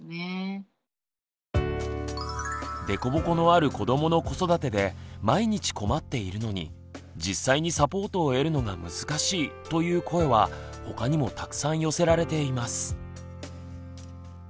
凸凹のある子どもの子育てで毎日困っているのに実際にサポートを得るのが難しいという声はほかにもたくさん寄せられています。